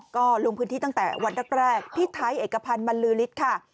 ก็ลงพื้นที่ตั้งแต่วันแรกพี่ไทยเอกพันธ์บรรลือฤทธิ์ค่ะ